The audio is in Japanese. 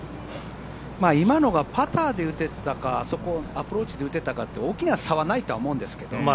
今のがパターで打てたかあそこアプローチで打てたかって大きな差はないとは思うんですけど。